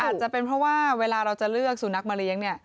อาจจะเป็นเพราะว่าเวลาเราจะเลือกสุนัขมาเลี้ยง